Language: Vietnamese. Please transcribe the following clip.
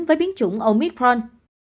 với biến chủng omicron